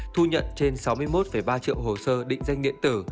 thu nhận trên sáu mươi một ba triệu hồ sơ định danh điện tử